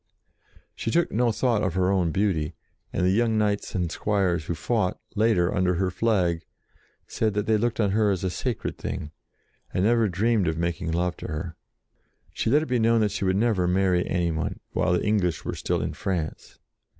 10 JOAN OF ARC She took no thought of her own beauty, and the young knights and squires who fought, later, under her flag, said that they looked on her as a sacred thing, and never dreamed of making love to her. She let it be known that she would never marry any one, while the English were still in France.